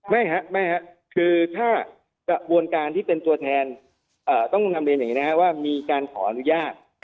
ไม่ครับวงการที่เป็นตัวแทนหรือว่ามีการขออนุญาต